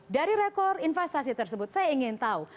dari rekor investasi tersebut saya ingin tahu